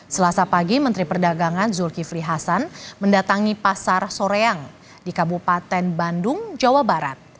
selasa pagi menteri perdagangan zulkifli hasan mendatangi pasar soreang di kabupaten bandung jawa barat